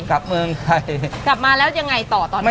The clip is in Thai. กลับมาแล้วยังไงต่อตอนนี้